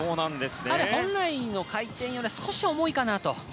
ただ、本来の回転より少し重いかなと。